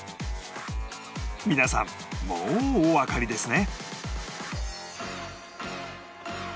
皆さんもうおわかりですね？